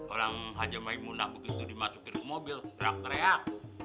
orang haji mlemula begitu dimasukin ke mobil reak reak